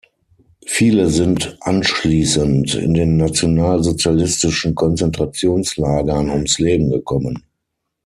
Viele sind anschließend in den nationalsozialistischen Konzentrationslagern ums Leben gekommen.